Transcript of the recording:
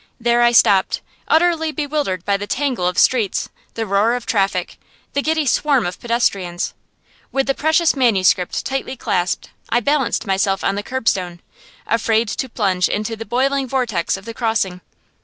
There I stopped, utterly bewildered by the tangle of streets, the roar of traffic, the giddy swarm of pedestrians. With the precious manuscript tightly clasped, I balanced myself on the curbstone, afraid to plunge into the boiling vortex of the crossing.